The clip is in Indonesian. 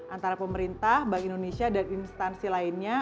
antara pemerintah bank indonesia dan instansi lainnya